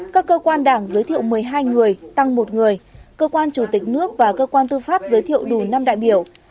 các cơ quan đảng giới thiệu một mươi hai người tăng một người cơ quan chủ tịch nước và cơ quan tư pháp giới thiệu đủ năm đại biểu